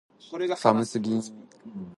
寒すぎる